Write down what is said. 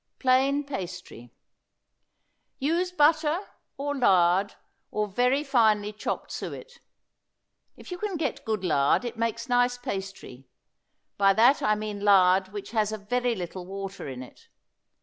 PLAIN PASTRY. Use butter, or lard, or very finely chopped suet. If you can get good lard it makes nice pastry; by that I mean lard which has a very little water in it.